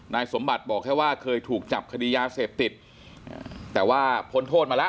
สมบัติบอกแค่ว่าเคยถูกจับคดียาเสพติดแต่ว่าพ้นโทษมาแล้ว